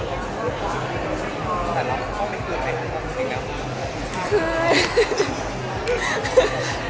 แต่เราเข้าไปเกินไปคุณค่ะเป็นยังไง